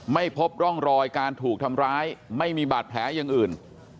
ไม่พบร่องรอยการถูกทำร้ายไม่มีบาดแผลอย่างอื่น